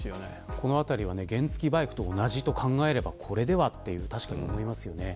このあたりは原付バイクと同じと考えればこれでは、というのは確かに思いますよね。